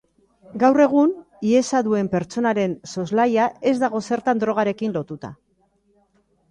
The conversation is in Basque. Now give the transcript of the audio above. Gaur egun, hiesa duen pertsonaren soslaia ez dago zertan drogarekin lotuta.